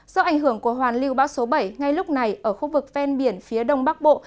do ảnh hưởng của hoàn lưu bão số bảy ngay lúc này ở khu vực ven biển phía đông bắc bộ